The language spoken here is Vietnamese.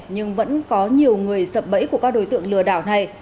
nhưng vẫn có nhiều người sập bẫy của các đối tượng lừa đảo này